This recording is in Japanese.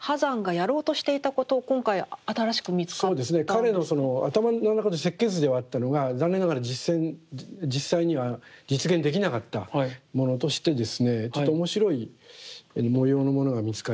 彼の頭の中で設計図ではあったのが残念ながら実際には実現できなかったものとしてですねちょっと面白い模様のものが見つかりました。